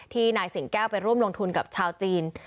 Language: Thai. นายสิงแก้วไปร่วมลงทุนกับชาวจีน